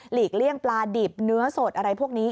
เลี่ยงปลาดิบเนื้อสดอะไรพวกนี้